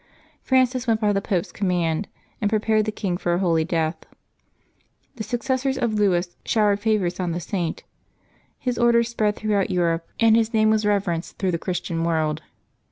Francis went by the Pope's command, and prepared the king for a holy death. The successors of Louis showered favors on the Saint, his Order spread throughout Europe, and his 134 LIVES OF TEE SAINTS [April 3 name was reverenced through the Christian world.